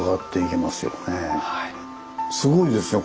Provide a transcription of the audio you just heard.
すごいですね。